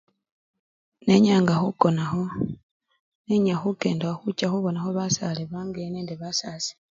Nenyanga khukonakho, nenya khukendakho khucha khubonakho basale bange nende basasi.